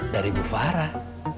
dari bu farah